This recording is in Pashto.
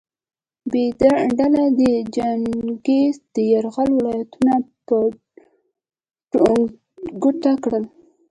ب ډله دې د چنګیز د یرغل ولایتونه په ګوته کړي.